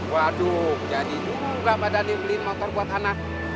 waduh jadi juga pak daniel beli motor buat anak